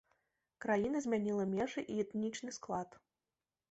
Краіна змяніла межы і этнічны склад.